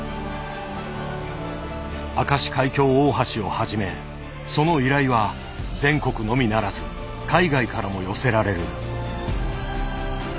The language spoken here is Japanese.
明石海峡大橋をはじめその依頼は全国のみならず海外からも寄せられる。